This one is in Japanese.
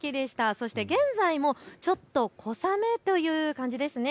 そして現在もちょっと小雨という感じですね。